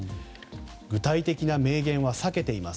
具体的な明言は避けています。